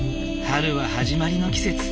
春は始まりの季節。